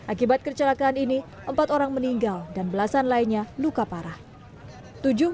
akibat kecelakaan ini empat orang meninggal dan belasan lainnya luka parah